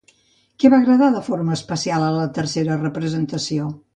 Què va agradar de forma especial a la tercera representació?